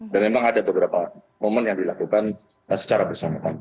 dan memang ada beberapa momen yang dilakukan secara bersamaan